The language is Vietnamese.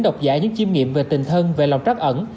độc giả những chiêm nghiệm về tình thân về lòng trắc ẩn